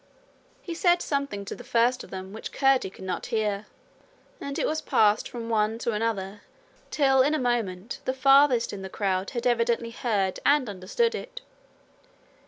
He said something to the first of them which Curdie could not hear, and it was passed from one to another till in a moment the farthest in the crowd had evidently heard and understood it.